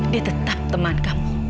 dia tetap teman kamu